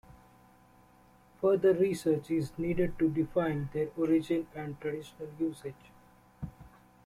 Further research is needed to define their origin and traditional usage.